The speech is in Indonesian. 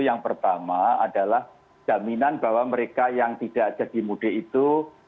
yang pertama adalah jaminan bahwa mereka yang tidak jadi mudik itu